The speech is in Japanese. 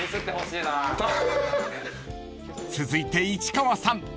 ［続いて市川さん］